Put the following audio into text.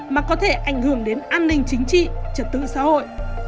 mà có thể ảnh hưởng đến an ninh chính trị trật tự xã hội